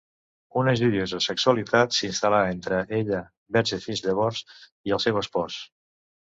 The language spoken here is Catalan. Una joiosa sexualitat s'instal·la entre ella -verge fins llavors- i el seu espòs.